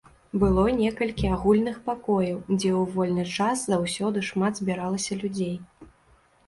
Было некалькі агульных пакояў, дзе ў вольны час заўсёды шмат збіралася людзей.